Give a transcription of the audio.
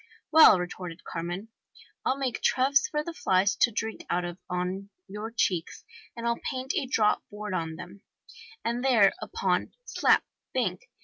'Well,' retorted Carmen, 'I'll make troughs for the flies to drink out of on your cheeks, and I'll paint a draught board on them!' * And thereupon, slap, bank!